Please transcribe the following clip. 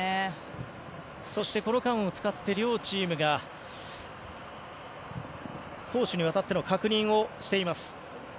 そしてこの間を使って両チームが攻守にわたっての確認をしています。